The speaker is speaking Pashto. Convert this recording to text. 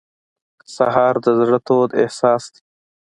سهار د زړه تود احساس دی.